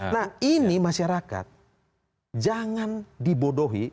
nah ini masyarakat jangan dibodohi